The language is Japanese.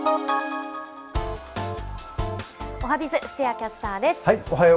おはＢｉｚ、布施谷キャスターです。